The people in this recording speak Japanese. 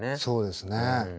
そうですね。